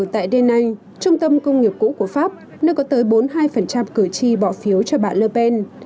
tại denak trung tâm công nghiệp cũ của pháp nơi có tới bốn mươi hai cử tri bỏ phiếu cho bà ler pen